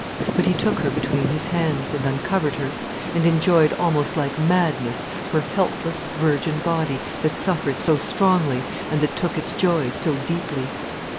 But he took her between his hands, and uncovered her, and enjoyed almost like madness her helpless, virgin body that suffered so strongly, and that took its joy so deeply.